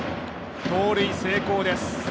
盗塁、成功です。